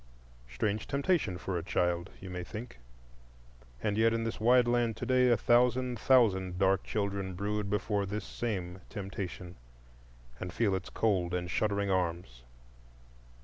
Strange temptation for a child, you may think; and yet in this wide land to day a thousand thousand dark children brood before this same temptation, and feel its cold and shuddering arms.